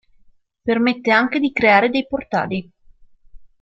Permette anche di creare dei portali.